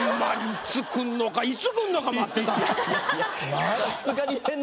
いつ来んのかいつ来んのか待ってたら。